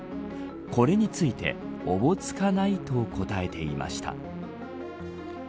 これについておぼつかないと答えていました。